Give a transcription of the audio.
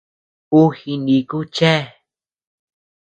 Uu jiniku chéa.